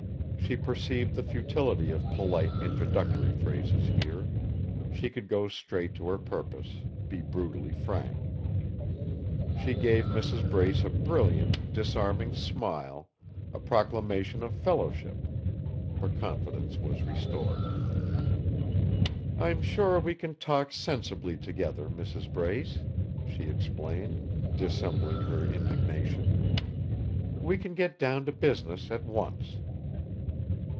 She perceived the futility of polite, introductory phrases here; she could go straight to her purpose, be brutally frank. She gave Mrs. Brace a brilliant, disarming smile, a proclamation of fellowship. Her confidence was restored. "I'm sure we can talk sensibly together, Mrs. Brace," she explained, dissembling her indignation. "We can get down to business, at once."